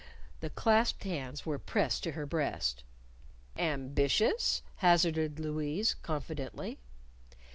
The clasped hands were pressed to her breast. "Ambitious?" hazarded Louise, confidently.